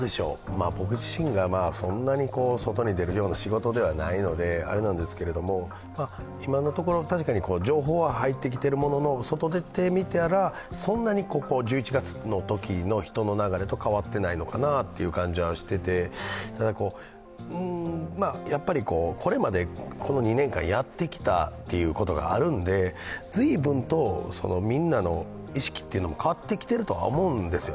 僕自身がそんなに外に出るような仕事ではないのであれなんですけれども、今のところ、確かに情報は入ってきているものの外出てみたら、そんなにここ１１月の人の流れとは変わっていないのかなという感じはしていて、やっぱりこの２年間やってきたことがあるので、ずいぶんとみんなの意識が変わってきてるとは思うんですよ。